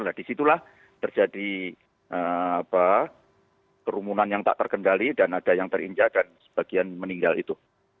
nah disitulah terjadi kerumunan yang tak terkendali dan ada yang terinjak dan sebagian meninggal itu